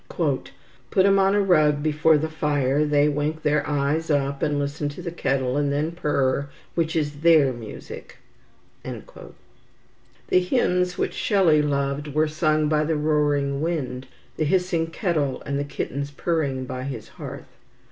"Put 'em on a rug before the fire, they wink their eyes up, and listen to the kettle, and then purr, which is their music." The hymns which Shelley loved were sung by the roaring wind, the hissing kettle, and the kittens purring by his hearth.